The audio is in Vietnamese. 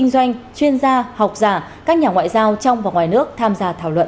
doanh chuyên gia học giả các nhà ngoại giao trong và ngoài nước tham gia thảo luận